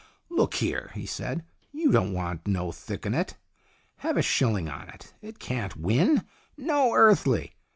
"Look here," he said. "You don't want no thick 'un on it. Have a shilling on it. It can't win. No earthly.